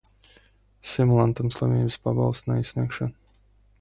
Simulantam slimības pabalstu neizsniegšot.